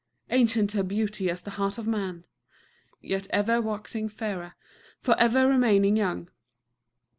Ancient her beauty as the heart of man, yet ever waxing fairer, forever remaining young.